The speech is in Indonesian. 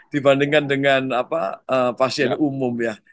dibandingkan dengan pasien umum ya